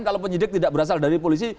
kalau penyidik tidak berasal dari polisi